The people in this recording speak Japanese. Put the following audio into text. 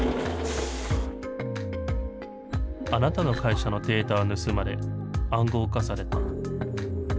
あなたの会社のデータは盗まれ、暗号化された。